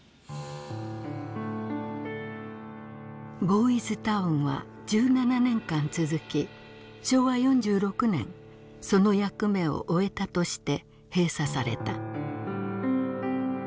ボーイズ・タウンは１７年間続き昭和４６年その役目を終えたとして閉鎖された。